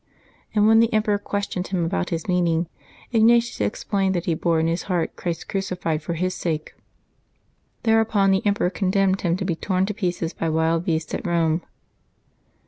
And when the emperor questioned him about his meaning, Ignatius ex plained that he bore in his heart Christ crucified for his sake. Thereupon the emperor condemned him to be torn to pieces by wild beasts at Eome.